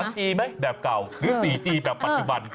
จีไหมแบบเก่าหรือ๔จีแบบปัจจุบัน